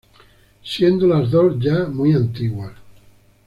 Siendo las dos ya muy antiguas.